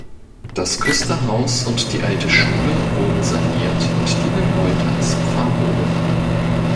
Das Küsterhaus und die alte Schule wurden saniert und dienen heute als Pfarrwohnung.